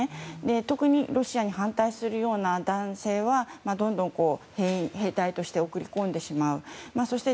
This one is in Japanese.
特にロシアに反対するような男性はどんどん兵隊として送り込んでしまうそして